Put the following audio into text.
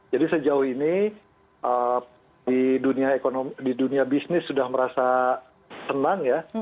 jadi sejauh ini di dunia bisnis sudah merasa senang ya